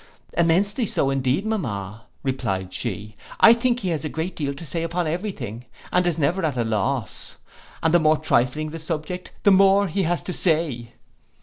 '—'Immensely so, indeed, Mamma,' replied she. 'I think he has a great deal to say upon every thing, and is never at a loss; and the more trifling the subject, the more he has to say.